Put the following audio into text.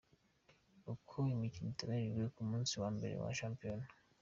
Uko imikino iteganyijwe ku munsi wa mbere wa shampiyona:.